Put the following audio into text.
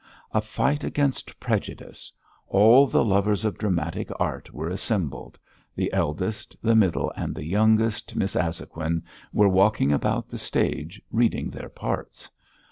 A fight against prejudice! All the lovers of dramatic art were assembled; the eldest, the middle, and the youngest Miss Azhoguin were walking about the stage, reading their parts.